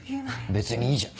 別にいいじゃん。